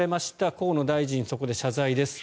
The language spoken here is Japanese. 河野大臣、そこで謝罪です。